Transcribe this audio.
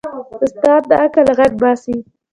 استاد د عقل غږ باسي.